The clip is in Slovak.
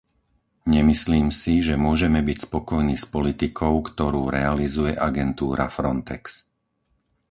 Nemyslím si, že môžeme byť spokojní s politikou, ktorú realizuje agentúra Frontex.